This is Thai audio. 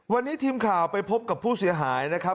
วันนี้ทีมข่าวไปพบกับผู้เสียหายนะครับ